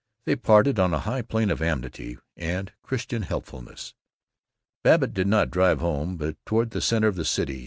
They parted on a high plane of amity and Christian helpfulness. Babbitt did not drive home, but toward the center of the city.